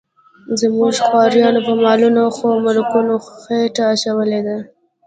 زموږ خوارانو په مالونو خو ملکانو خېټه اچولې ده.